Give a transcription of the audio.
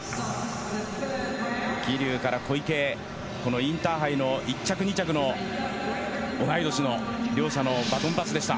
桐生から小池へこのインターハイの１着２着の同い年の両者のバトンパスでした。